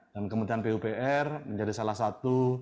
dan kementerian pupr menjadi salah satu